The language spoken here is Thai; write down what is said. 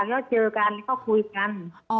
ก็เจอกันก็คุยกัน